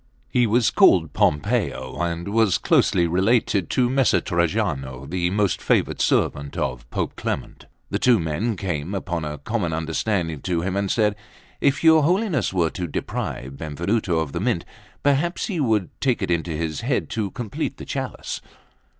He was called Pompeo, and was closely related to Messer Trajano, the most favoured servant of Pope Clement. The two men came, upon a common understanding, to him and said: "If your Holiness were to deprive Benvenuto of the Mint, perhaps he would take it into his head to complete the chalice."